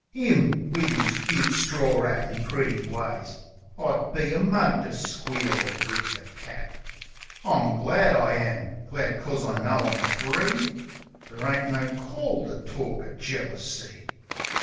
'Im! Wiv 'is cute stror 'at an' pretty ways I I'd be a mug to squeal or whip the cat. I'm glad, I am — glad 'cos I know I'm free ! There ain't no call to tork o' jealousy.